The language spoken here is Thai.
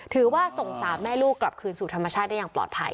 ถือว่าส่งสามแม่ลูกกลับคืนสู่ธรรมชาติได้อย่างปลอดภัย